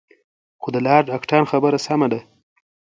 خو د لارډ اکټان خبره سمه ده.